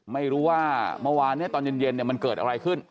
ไม่รู้ว่าเมื่อวานนี้ตอนเย็นมันเกิดอะไรขึ้น